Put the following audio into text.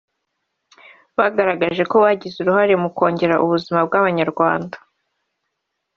bagaragaje ko bagize uruhare mu kongera ubuzima bw’Abanyarwanda